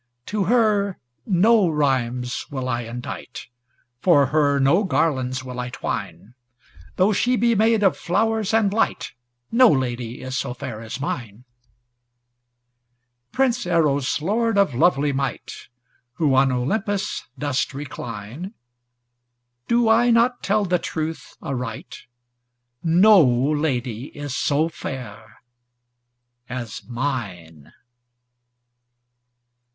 To her no rhymes will I indite, For her no garlands will I twine; Though she be made of flowers and light, No lady is so fair as mine. L'ENVOI Prince Eros, Lord of lovely might, Who on Olympus doth recline, Do I not tell the truth aright? No lady is so fair as mine.